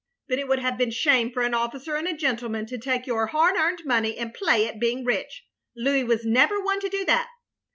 But it would have been shame for an officer and a gentleman to take your hard earned money and play at being rich. Louis was never one to do that.